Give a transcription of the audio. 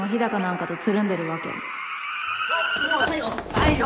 太陽？